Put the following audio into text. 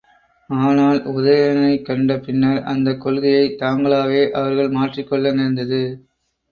ஆனால், உதயணனைக் கண்ட பின்னர், அந்தக் கொள்கையைத் தாங்களாகவே அவர்கள் மாற்றிக் கொள்ள நேர்ந்தது.